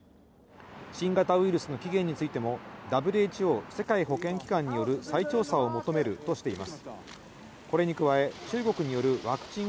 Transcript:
新型ウイルスの起源についてもＷＨＯ＝世界保健機関による再調査を求めるとしています。